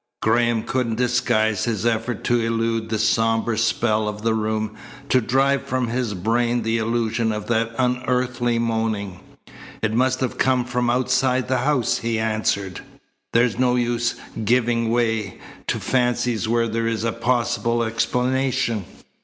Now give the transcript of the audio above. Graham couldn't disguise his effort to elude the sombre spell of the room, to drive from his brain the illusion of that unearthly moaning. "It must have come from outside the house," he answered "There's no use giving way to fancies where there's a possible explanation.